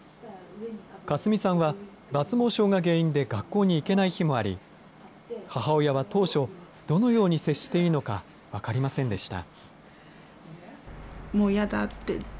佳純さんは抜毛症が原因で学校にいけない日もあり、母親は当初、どのように接していいのか分かりませんでした。